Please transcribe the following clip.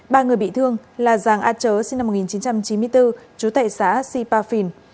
ba người bị thương là giàng a chớ sinh năm một nghìn chín trăm chín mươi bốn chú tại xã sipa phìn